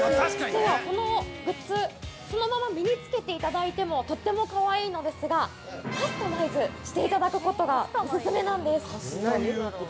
実はこのグッズ、そのまま身につけていただいてもとってもかわいいのですが、カスタマイズしていただくことがオススメなんです！